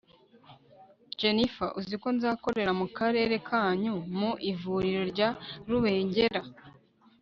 jennifer uziko nzakorera mu karere kanyu mu ivuriro rya rubengera